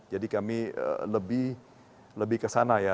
jadi kami lebih ke sana ya